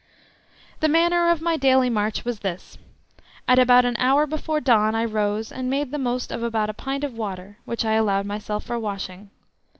The manner of my daily march was this. At about an hour before dawn I rose and made the most of about a pint of water, which I allowed myself for washing.